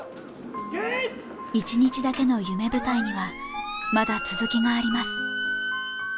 一日だけの夢舞台には、まだ続きがあります。